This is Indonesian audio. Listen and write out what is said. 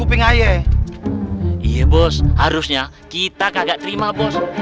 iya bos harusnya kita kagak terima bos